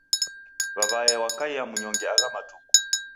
W'aw'ae wakaia mnyonge agha matuku.